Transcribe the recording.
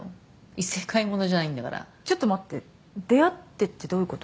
異世界ものじゃないんだからちょっと待って出会ってってどういうこと？